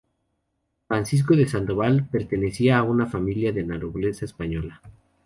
Francisco de Sandoval pertenecía a una familia de la nobleza española.